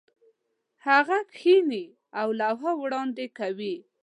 هغه کښېني او لوحه وړاندې کوي.